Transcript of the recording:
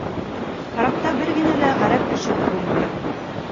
Карапта бер генә ғәрәп кешеһе лә булмай.